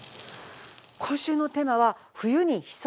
今週のテーマは冬に潜む危険。